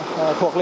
thuộc lĩnh vực này